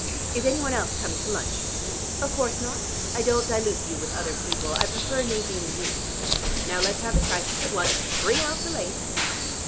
Is any one else coming to lunch?" "Of course not. I don't dilute you with other people; I prefer Nadine neat. Now let's have the crisis at once. Bring out the lace."